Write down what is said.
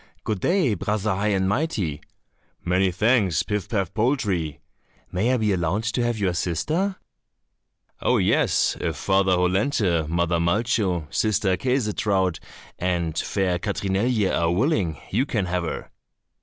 "Good day, Brother High and Mighty." "Many thanks, Pif paf poltrie." "May I be allowed to have your sister?" "Oh, yes, if Father Hollenthe, Mother Malcho, Sister Käsetraut, and fair Katrinelje are willing, you can have her."